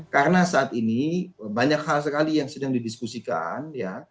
karena saat ini banyak hal sekali yang sedang didiskusikan ya